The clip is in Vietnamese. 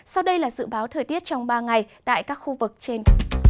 sau đây là dự báo thời tiết trong ba ngày tại các khu vực trên